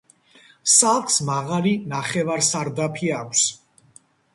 სახლს მაღალი ნახევარსარდაფი აქვს.